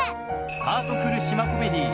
ハートフル島コメディー